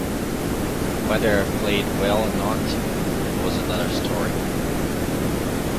Whether I played well or not was another story.